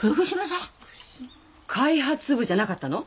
開発部じゃなかったの？